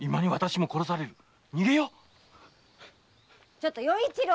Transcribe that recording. ちょっと与一呂！